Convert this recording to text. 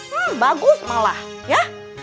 hmm bagus malah ya